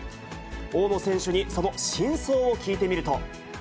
大野選手にその真相を聞いてみると。